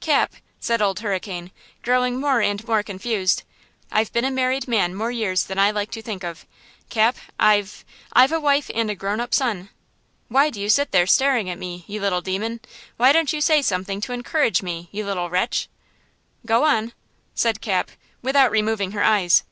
"Cap," said Old Hurricane, growing more and more confused, "I've been a married man more years than I like to think of! Cap, I've–I've a wife and grown up son! Why do you sit there staring at me, you little demon? Why don't you say something to encourage me, you little wretch?" "Go on!" said Cap, without removing her eyes.